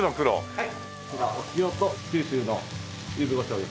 はい。